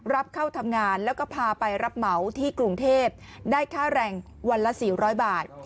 รับเข้าทำงานแล้วก็พาไปรับเหมาที่กรุงเทพได้ค่าแรงวันละ๔๐๐บาท